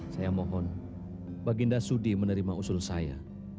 saya mohon baginda sudi menerima usul saya